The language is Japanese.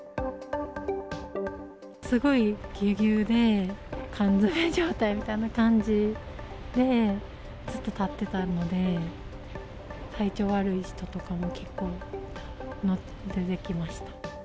すごいぎゅうぎゅうで、缶詰め状態みたいな感じで、ずっと立ってたので、体調悪い人とかも結構出てきました。